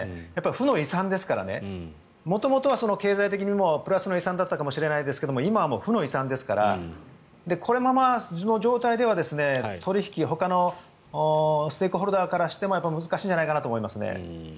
負の遺産ですから元々は経済的にもプラスの遺産だったかもしれないですが今は負の遺産ですからこのままの状態では取引、ほかのステークホルダーからしても難しいんじゃないかなと思います。